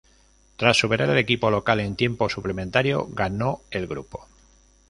Tras superar al equipo local en tiempo suplementario, ganó el grupo.